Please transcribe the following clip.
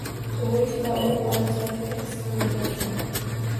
Tug‘ilish va o‘lim orasida juda qisqa muddat bor.